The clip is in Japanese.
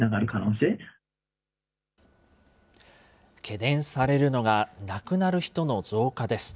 懸念されるのが、亡くなる人の増加です。